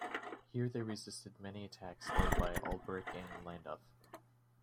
Here they resisted many attacks led by Alberic and Landulf.